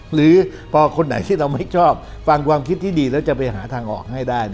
หรือพอคนไหนที่เราไม่ชอบฟังความคิดที่ดีแล้วจะไปหาทางออกให้ได้